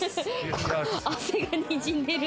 汗がにじんでる。